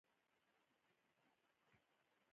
مهارت یې اداره پر مخ بېولې ده.